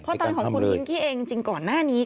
พอตังค์ของคุณพิมพ์ที่เองจริงก่อนหน้านี้